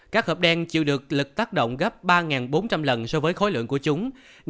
các hợp đen chịu được lực tác động gấp ba bốn trăm linh lần so với khối lượng của chúng